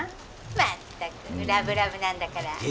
まったくラブラブなんだから。